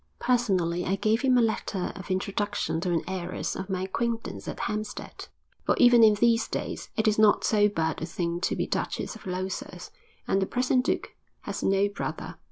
Personally, I gave him a letter of introduction to an heiress of my acquaintance at Hampstead; for even in these days it is not so bad a thing to be Duchess of Losas, and the present duke has no brother.